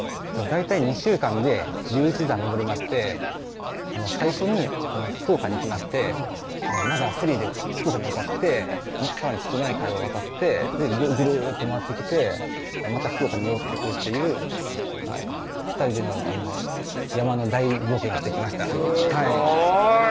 大体２週間で１１山登りまして最初に福岡に行きましてまずはフェリーで四国に渡ってさらに瀬戸内海を渡ってグルグルッと回ってきてまた福岡に戻ってくるっていう１周です２人での山の大冒険をしてきましたすごい！